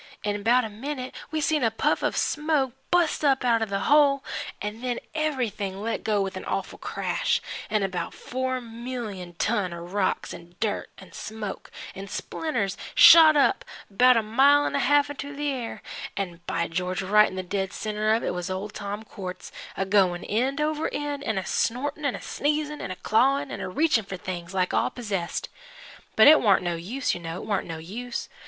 In 'bout a minute we seen a puff of smoke bust up out of the hole, 'n' then everything let go with an awful crash, 'n' about four million ton of rocks 'n' dirt 'n' smoke 'n' splinters shot up 'bout a mile an' a half into the air, an' by George, right in the dead centre of it was old Tom Quartz a goin' end over end, an' a snortin' an' a sneez'n, an' a clawin' an' a reach'n' for things like all possessed. But it warn't no use, you know, it warn't no use.